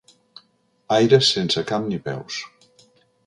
Aires sense cap ni peus.